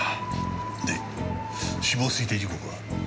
で死亡推定時刻は？